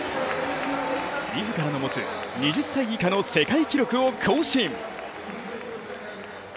自らの持つ２０歳以下の世界記録を更新。